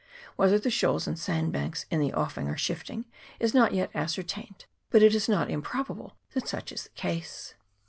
Whether the shoals and sand banks in the offing are shifting is not yet ascertained, but it is not improbable that such is the case.